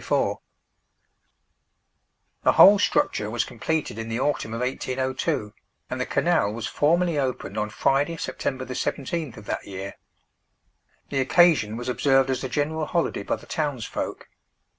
[Picture: The Canal] The whole structure was completed in the autumn of 1802, and the canal was formally opened on Friday, Sept. 17th of that year. The occasion was observed as a general holiday by the towns folk.